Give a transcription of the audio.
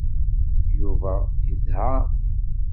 Yuba yedɛa.